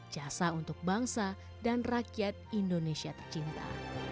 jasa untuk bangsa dan rakyat indonesia tercinta